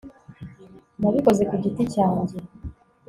nabikoze ku giti cyanjye